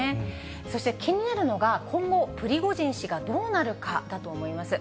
そして気になるのが、今後、プリゴジン氏がどうなるかだと思います。